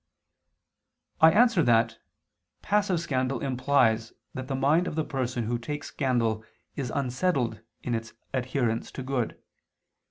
I answer that, Passive scandal implies that the mind of the person who takes scandal is unsettled in its adherence to good.